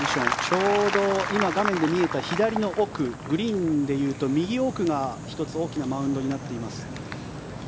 ちょうど今、画面で見えた左の奥グリーンでいうと右奥が１つ大きなマウンドになっています。